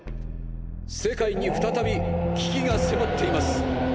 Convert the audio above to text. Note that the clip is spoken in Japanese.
世界に再び危機が迫っています。